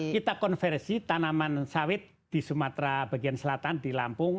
kita konversi tanaman sawit di sumatera bagian selatan di lampung